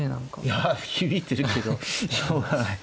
いや響いてるけどしょうがない。